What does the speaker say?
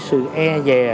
sân khấu cải lương